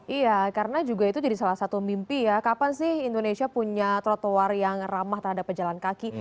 iya karena juga itu jadi salah satu mimpi ya kapan sih indonesia punya trotoar yang ramah terhadap pejalan kaki